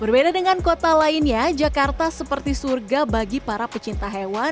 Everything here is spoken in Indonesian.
berbeda dengan kota lainnya jakarta seperti surga bagi para pecinta hewan